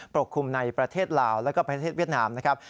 กลุ่มในประเทศลาวแล้วก็ประเทศเวียดนามนะครับ